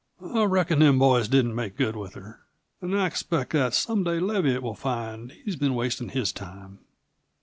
"I reckon them boys didn't make good with her. An' I expect that some day Leviatt will find he's been wastin' his time."